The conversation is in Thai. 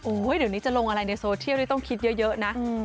เดี๋ยวนี้จะลงอะไรในโซเชียลที่ต้องคิดเยอะนะ